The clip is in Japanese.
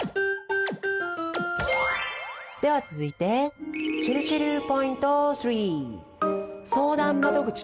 では続いてちぇるちぇるポイント３。